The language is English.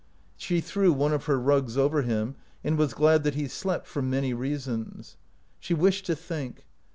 She threw one of her rugs over him, and was glad that he slept, for many reasons. She wished to think.